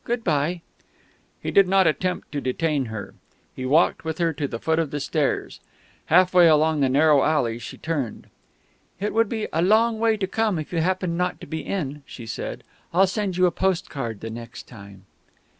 Good bye " He did not attempt to detain her. He walked with her to the foot of the stairs. Half way along the narrow alley she turned. "It would be a long way to come if you happened not to be in," she said; "I'll send you a postcard the next time."